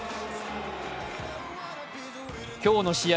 今日の試合